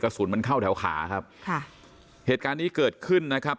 สุนมันเข้าแถวขาครับค่ะเหตุการณ์นี้เกิดขึ้นนะครับ